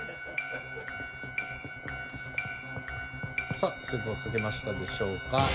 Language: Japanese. さあそれでは書けましたでしょうか？